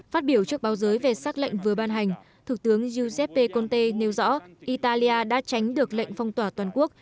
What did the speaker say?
phát biểu trước báo giới về xác lệnh vừa ban hành thủ tướng giuseppe conte nêu rõ italia đã tránh được lệnh phong tỏa toàn quốc